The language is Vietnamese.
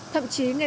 thậm chí nghe